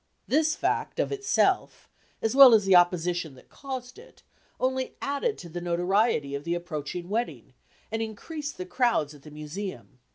This fact of itself, as well as the opposition that caused it, only added to the notoriety of the approaching wedding, and increased the crowds at the Museum.